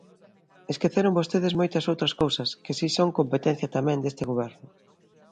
Esqueceron vostedes moitas outras cousas que si son competencia tamén deste Goberno.